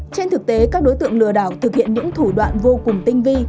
trên thực tế các đối tượng lừa đảo thực hiện những thủ đoạn vô cùng tinh vi